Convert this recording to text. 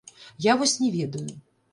Я вось не ведаю.